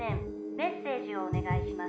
「メッセージをお願いします」